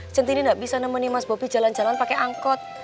centini nggak bisa nemenin mas bobi jalan jalan pakai angkot